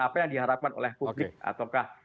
apa yang diharapkan oleh publik ataukah